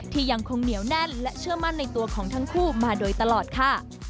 ยังคงเหนียวแน่นและเชื่อมั่นในตัวของทั้งคู่มาโดยตลอดค่ะ